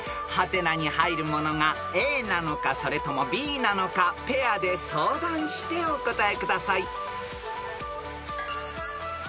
［「？」に入るものがＡなのかそれともＢなのかペアで相談してお答えください］